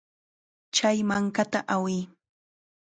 Chay mankata awiy.